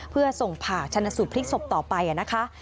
เพื่อส่งผ่าชนสูตรพลิกศพต่อไปนะคะ